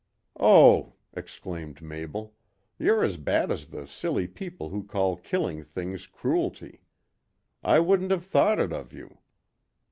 "Oh!" exclaimed Mabel, "you're as bad as the silly people who call killing things cruelty. I wouldn't have thought it of you."